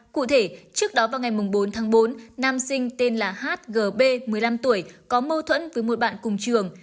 cụ thể trước đó vào ngày bốn tháng bốn nam sinh tên là h g b một mươi năm tuổi có mâu thuẫn với một bạn cùng trường